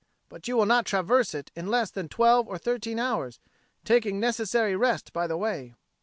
But you will not traverse it in less than twelve or thirteen hours, taking necessary rest by the way."